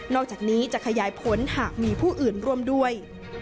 อกจากนี้จะขยายผลหากมีผู้อื่นร่วมด้วย